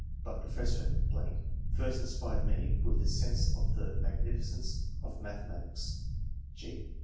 but Professor .... first inspired me with the sense of the magnificence of mathematics."